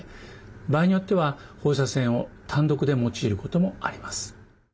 場合によっては放射線を単独で用いることもあります。